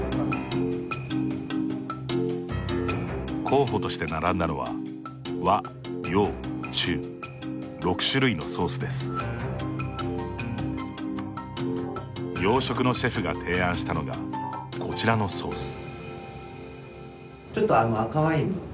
候補として並んだのは洋食のシェフが提案したのがこちらのソース。